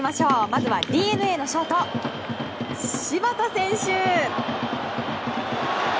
まずはＤｅＮＡのショート柴田選手。